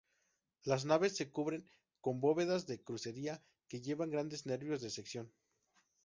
Las naves se cubren con bóvedas de crucería que llevan grandes nervios de sección.